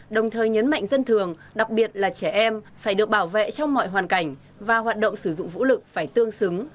đồng thời nhấn mạnh dân thường đặc biệt là trẻ em phải được bảo vệ trong mọi hoàn cảnh và hoạt động sử dụng vũ lực phải tương xứng